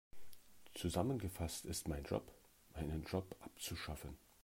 Zusammengefasst ist mein Job, meinen Job abzuschaffen.